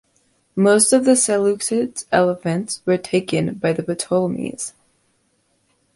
Most of the Seleucids' elephants were taken by the Ptolemies.